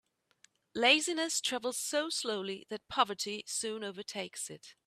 Laziness travels so slowly that poverty soon overtakes it.